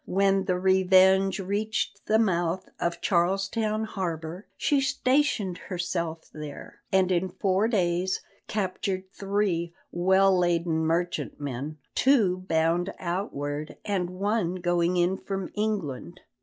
When the Revenge reached the mouth of Charles Town harbour she stationed herself there, and in four days captured three well laden merchantmen; two bound outward, and one going in from England.